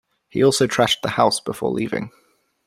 He also trashed the house before leaving.